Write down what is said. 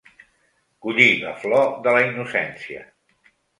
Collir la flor de la innocència.